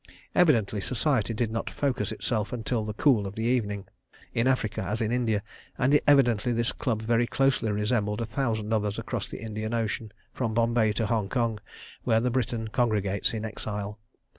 Evidently Society did not focus itself until the cool of the evening, in Africa as in India, and evidently this club very closely resembled a thousand others across the Indian Ocean from Bombay to Hong Kong, where the Briton congregates in exile.